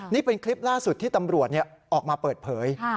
นี่เป็นคลิปล่าสุดที่ตำรวจออกมาเปิดเผย